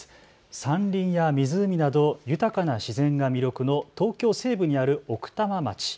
山林や湖など豊かな自然が魅力の東京西部にある奥多摩町。